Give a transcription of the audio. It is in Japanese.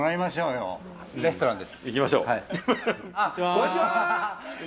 こんにちは。